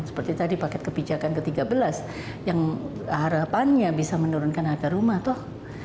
seperti tadi paket kebijakan ke tiga belas yang harapannya bisa menurunkan harga rumah toh